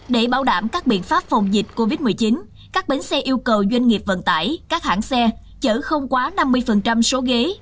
để bảo đảm các biện pháp phòng dịch covid một mươi chín các bến xe yêu cầu doanh nghiệp vận tải các hãng xe chở không quá năm mươi số ghế